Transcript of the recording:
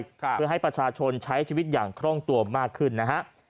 เพื่อให้ประชาชนใช้ชีวิตอย่างคล่องตัวมากขึ้นนะฮะ